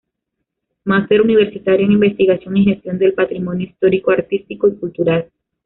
Máster Universitario en Investigación y Gestión del Patrimonio Histórico-Artístico y Cultural.